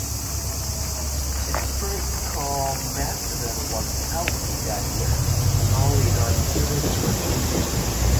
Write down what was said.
Its first commencement was held in that year, with only nine students graduating.